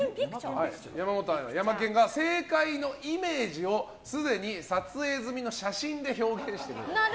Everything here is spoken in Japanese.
山本アナ、ヤマケンが正解のイメージをすでに撮影済みの写真で表現してくれます。